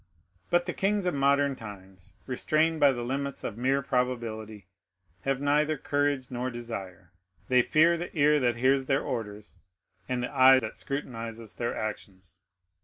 But the kings of modern times, restrained by the limits of mere probability, have neither courage nor desire. They fear the ear that hears their orders, and the eye that scrutinizes their actions.